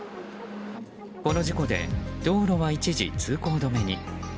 この事故で道路は一時通行止めに。